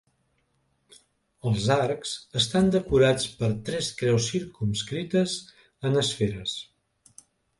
Els arcs estan decorats per tres creus circumscrites en esferes.